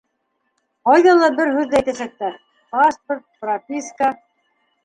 Ҡайҙа ла бер һүҙҙе әйтәсәктәр: паспорт, прописка.